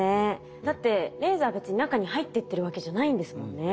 だってレーザーは別に中に入ってってるわけじゃないんですもんね。